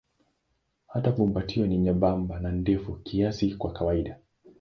Hata fumbatio ni nyembamba na ndefu kiasi kwa kawaida.